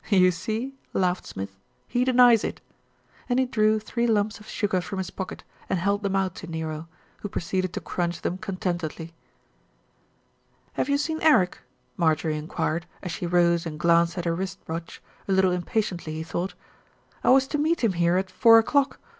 "You see," laughed Smith, "he denies it," and he drew three lumps of sugar from his pocket and held them out to Nero, who proceeded to crunch them con tentedly. "Have you seen Eric?" Marjorie enquired, as she rose and glanced at her wrist watch, a little impatiently he thought. "I was to meet him here at four o'clock.